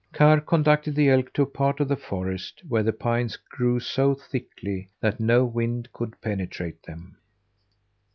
Karr conducted the elk to a part of the forest where the pines grew so thickly that no wind could penetrate them.